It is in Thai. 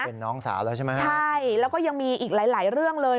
เป็นน้องสาวแล้วใช่ไหมฮะใช่แล้วก็ยังมีอีกหลายหลายเรื่องเลย